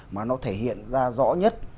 mà nó thể hiện ra rõ nhất